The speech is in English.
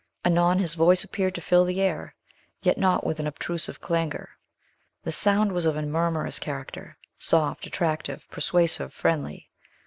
Anon, his voice appeared to fill the air, yet not with an obtrusive clangor. The sound was of a murmurous character, soft, attractive, persuasive, friendly.